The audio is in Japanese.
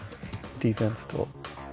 ディフェンスと。